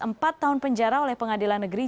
empat tahun penjara oleh pengadilan negeri